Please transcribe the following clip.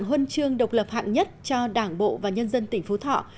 huân chương độc lập hạng nhất cho đảng bộ và nhân dân tỉnh phú thọ